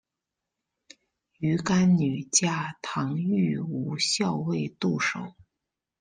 鱼干女嫁唐御侮校尉杜守。